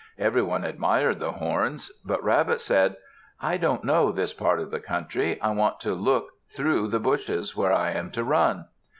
Everyone admired the horns. But Rabbit said, "I don't know this part of the country; I want to look through the bushes where I am to run."